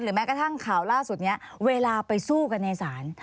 แม้กระทั่งข่าวล่าสุดนี้เวลาไปสู้กันในศาล